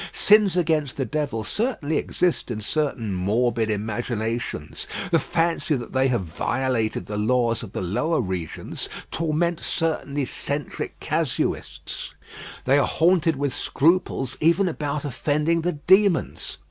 Sins against the devil certainly exist in certain morbid imaginations. The fancy that they have violated the laws of the lower regions torments certain eccentric casuists; they are haunted with scruples even about offending the demons.